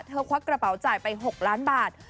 ควักกระเป๋าจ่ายไป๖ล้านบาท